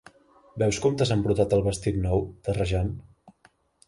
Veus com t'has embrutat el vestit nou, terrejant?